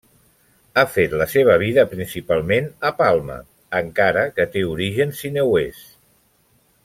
Ha fet la seva vida principalment a Palma, encara que té orígens sineuers.